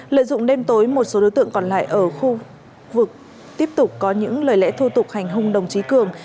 lợi dụng đêm tối một số đối tượng còn lại ở khu vực tiếp tục có những lời lẽ thô tục hành hung đồng chí cường